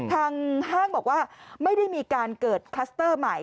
ห้างบอกว่าไม่ได้มีการเกิดคลัสเตอร์ใหม่